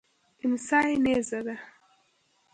امسا یې نیزه ده.